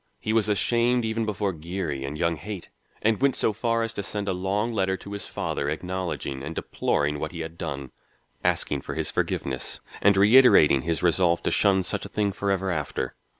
He was ashamed even before Geary and young Haight, and went so far as to send a long letter to his father acknowledging and deploring what he had done, asking for his forgiveness and reiterating his resolve to shun such a thing forever after.